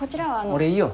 俺いいよ。